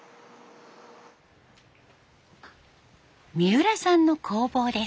三浦さんの工房です。